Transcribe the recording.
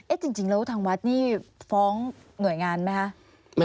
เอ๊ะจริงแล้วทางวัดนี้ฟ้องหน่วยงานมั้ยฮะ